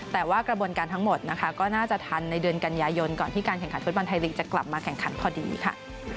แต่ว่ากระบวนการทั้งหมดนะคะก็น่าจะทันในเดือนกันยายนก่อนที่การแข่งขันฟุตบอลไทยลีกจะกลับมาแข่งขันพอดีค่ะ